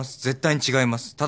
絶対に違います。